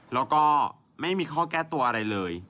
แล้วก็ไม่มีข้อแก้ตัวอะไรเลย